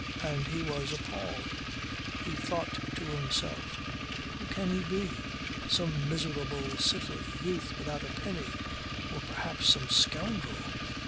And he was appalled. He thought to himself: Who can he be? Some miserable, silly youth without a penny. Or perhaps some scoundrel?